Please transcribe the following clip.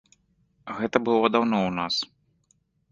Гэта было даўно ў нас.